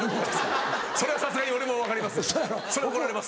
それはさすがに俺も分かります